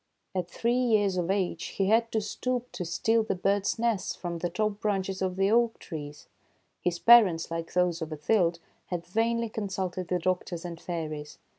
At three years of age he had to stoop to steal the birds' nests from the top branches of the oak trees. His parents, like those of Othilde, had vainly consulted the doctors and fairies.